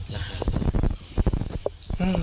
แล้วคือ